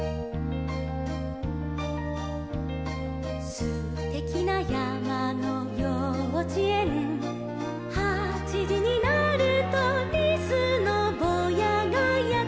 「すてきなやまのようちえん」「はちじになると」「リスのぼうやがやってきます」